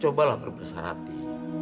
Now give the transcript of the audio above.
cobalah berbesar hati